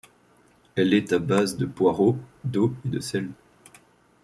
Elle est à base de poireau, d’eau et de sel.